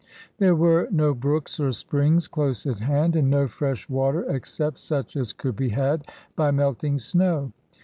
There were no brooks or springs dose at hand, and no fresh water accept such as could be had by melting snow.